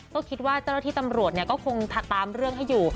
ก็คิดว่าเจ้าตกที่ตำรวจคงตามให้เรื่องอยู่